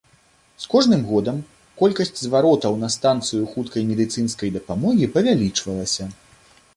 З кожным годам колькасць зваротаў на станцыю хуткай медыцынскай дапамогі павялічвалася.